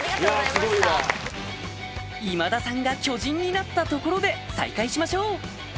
今田さんが巨人になったところで再開しましょう！